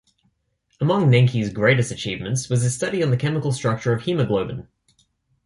Among Nencki's greatest achievements was his study on the chemical structure of haemoglobin.